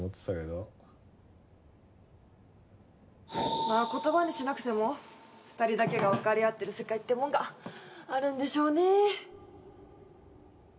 まあ言葉にしなくても２人だけがわかり合ってる世界ってもんがあるんでしょうね。